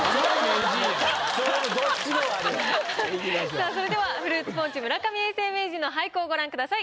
さあそれではフルーツポンチ村上永世名人の俳句をご覧ください。